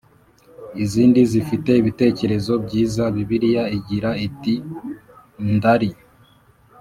izindi zifite ibitekerezo byiza Bibiliya igira iti ndaari